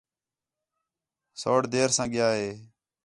سوڑ دیر ساں ڳِیا ہِے